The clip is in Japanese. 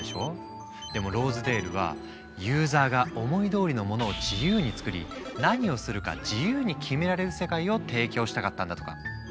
でもローズデールは「ユーザーが思いどおりのものを自由に作り何をするか自由に決められる世界」を提供したかったんだとか。